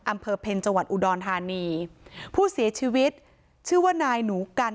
อำเภอเพ็ญจังหวัดอุดรธานีผู้เสียชีวิตชื่อว่านายหนูกัน